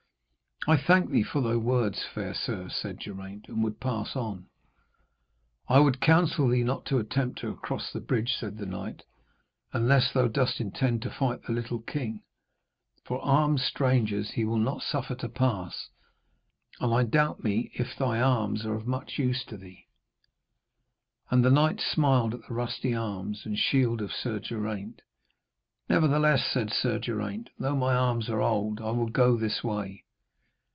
'I thank thee for thy words, fair sir,' said Geraint, and would pass on. 'I would counsel thee not to attempt to cross the bridge,' said the knight, 'unless thou dost intend to fight the little king. For armed strangers he will not suffer to pass, and I doubt me if thy arms are of much use to thee.' And the knight smiled at the rusty arms and shield of Sir Geraint. 'Nevertheless,' said Sir Geraint, 'though my arms are old, I will go this way.'